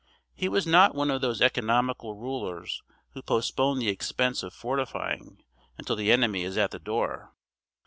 He was not one of those economical rulers who postpone the expense of fortifying until the enemy is at the door.